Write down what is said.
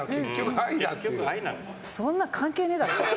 そんなん関係ねえだろ。